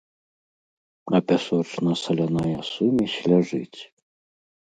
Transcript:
А пясочна-саляная сумесь ляжыць.